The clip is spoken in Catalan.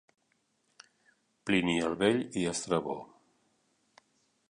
Plini el Vell i Estrabó.